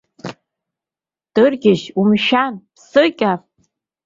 Дыргьежь, умшәан, ԥссыкьа!